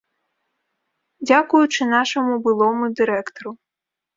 Дзякуючы нашаму былому дырэктару.